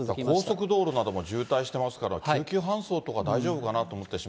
高速道路なども渋滞していますから、救急搬送とか大丈夫かな